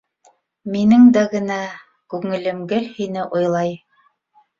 Минең дә генә күңелем гел һине уйлай